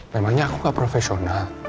memangnya aku gak profesional